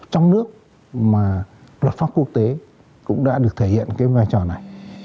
trong nước mà luật pháp quốc tế cũng đã được thể hiện cái vai trò này